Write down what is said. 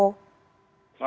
saat malam rifana